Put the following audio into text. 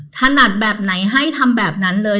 ถนัดแบบไหนให้ทำแบบนั้นเลย